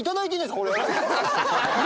これ。